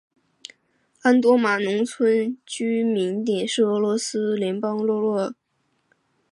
安多马农村居民点是俄罗斯联邦沃洛格达州维捷格拉区所属的一个农村居民点。